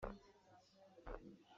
Bawlung a hrilh tih?